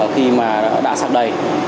khi mà đã sạc đầy